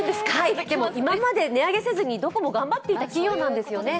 今まで値上げせずにどこも頑張っていた企業なんですよね。